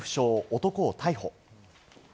男を逮捕。